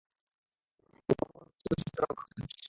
কিন্তু মরুভূমির বস্তিগুলোতেও বিশেষ কোন খাদ্য সঞ্চিত ছিল না।